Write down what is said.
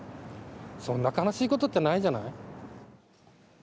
そんな悲しいことってないじゃない。